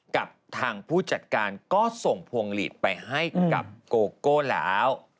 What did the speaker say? กับทางผู้จัดการก็ส่งพวงหลีดไปให้กับโกโก้แล้ว